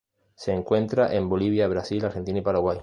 Se encuentra en Bolivia, Brasil, Argentina y Paraguay.